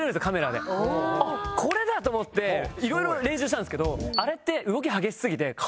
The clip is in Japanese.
これだ！と思って色々練習したんですけどあれって。